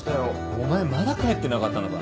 お前まだ帰ってなかったのか。